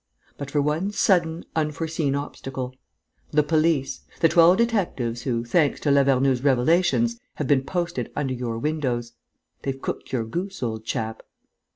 But for one sudden, unforeseen obstacle: the police, the twelve detectives who, thanks to Lavernoux's revelations, have been posted under your windows. They've cooked your goose, old chap!...